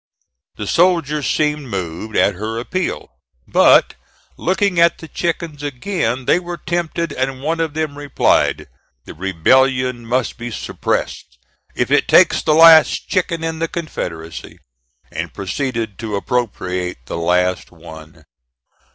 The soldiers seemed moved at her appeal; but looking at the chickens again they were tempted and one of them replied: "The rebellion must be suppressed if it takes the last chicken in the Confederacy," and proceeded to appropriate the last one.